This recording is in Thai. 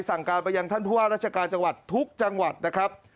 สั่งการไปยังท่านผู้ว่าราชการจังหวัดทุกจังหวัดนะครับ